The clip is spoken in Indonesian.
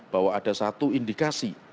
bahwa ada satu indikasi